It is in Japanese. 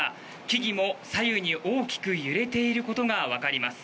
木々も左右に大きく揺れていることがわかります。